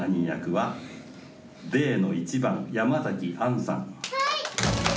はい！